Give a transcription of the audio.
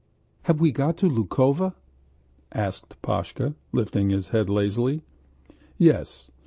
"Have we got to Lukovo?" asked Pashka, lifting his head lazily. "Yes.